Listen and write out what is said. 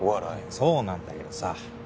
そうなんだけどさ。